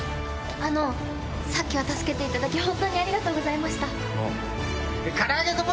あのさっきは助けていただき本当にありがとうございました。